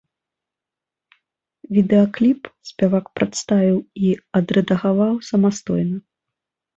Відэакліп спевак прадставіў і адрэдагаваў самастойна.